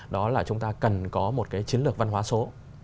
đó là chúng ta cần có một cái chiến lược văn hóa số